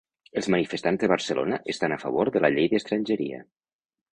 Els manifestants de Barcelona estan a favor de la llei d'estrangeria